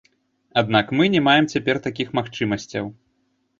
Аднак мы не маем цяпер такіх магчымасцяў.